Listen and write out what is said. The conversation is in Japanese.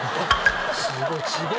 すごい。